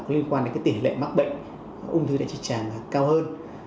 liên quan đến cái tỉ lệ mắc bệnh ung thư đại trực tràng cao hơn